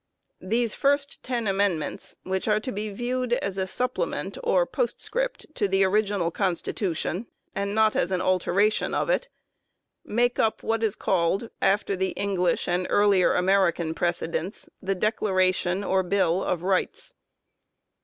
These first ten Amendments, which are to be viewed as a supplement or postscript to the original Constitution, and not as an alteration of it, make up what is called, after the English and earlier American precedents, the Declaration or Bill of Rights.